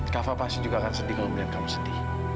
kava pasti juga akan sedih kalau melihat kamu sedih